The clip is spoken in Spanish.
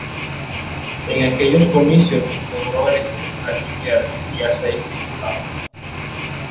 En aquellos comicios logró elegir a Guillier y a seis diputados.